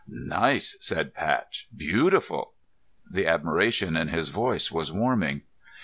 "Nice!" said Pat. "Beautiful!" The admiration in his voice was warming.